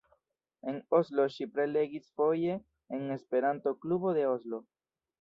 En Oslo ŝi prelegis foje en Esperanto-klubo de Oslo.